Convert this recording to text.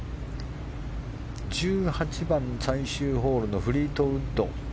１８番最終ホールのフリートウッド。